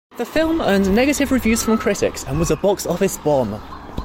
The film earned negative reviews from critics and was a box office bomb.